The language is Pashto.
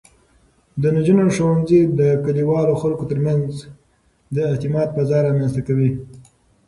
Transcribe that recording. د نجونو ښوونځی د کلیوالو خلکو ترمنځ د اعتماد فضا رامینځته کوي.